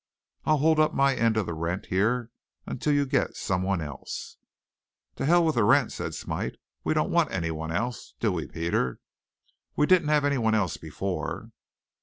I'll hold up my end on the rent here until you get someone else." "To hell with the rent," said Smite. "We don't want anyone else, do we, Peter? We didn't have anyone else before."